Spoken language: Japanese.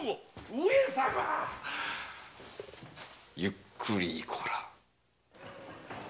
上様‼「ゆっくりいこら」。